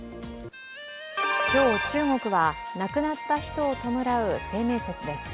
今日中国は亡くなった人を弔う清明節です。